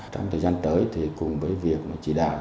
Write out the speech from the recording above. trong thời gian tới thì cùng với việc chỉ đạo